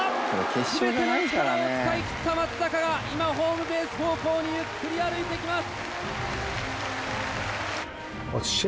全ての力を使いきった松坂が今ホームベース方向にゆっくり歩いていきます。